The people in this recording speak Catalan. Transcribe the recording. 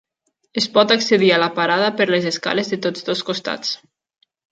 És pot accedir a la parada per les escales de tots dos costats.